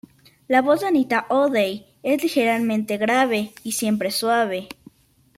La voz de Anita O'Day es ligeramente grave y siempre suave.